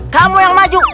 kamu yang maju